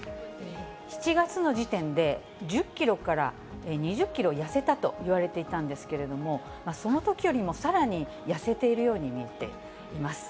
７月の時点で、１０キロから２０キロ痩せたといわれていたんですけれども、そのときよりもさらに痩せているように見えています。